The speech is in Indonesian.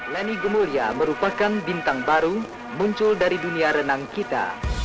leni gumulya merupakan bintang baru muncul dari dunia renang kita